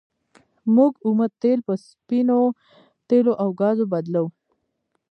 موږ اومه تیل په سپینو تیلو او ګازو بدلوو.